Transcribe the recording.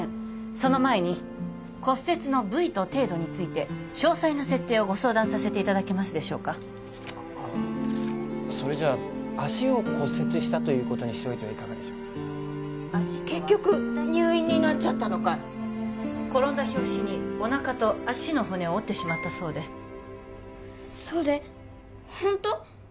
その前に骨折の部位と程度について詳細な設定をご相談させていただけますでしょうかああそれじゃ足を骨折したということにしておいてはいかがでしょう結局入院になっちゃったのかい転んだ拍子におなかと足の骨を折ってしまったそうでそれホント？